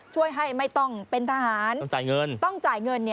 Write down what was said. ช่วยให้ไม่ต้องเป็นทหารต้องจ่ายเงิน